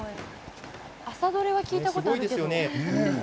朝取れは聞いたことがあるけど。